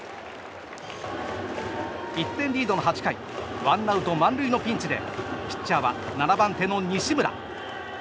１点リードの８回ワンアウト満塁のピンチでピッチャーは７番手の西村。